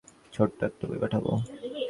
আমি কোয়ালিস্টদের নিয়ে লেখা ছোট্ট একটা বই পাঠাব।